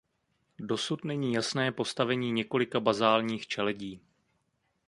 Dosud není jasné postavení několika bazálních čeledí.